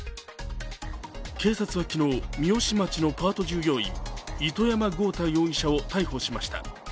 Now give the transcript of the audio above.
警察は昨日、三芳町のパート従業員糸山豪太容疑者を逮捕しました。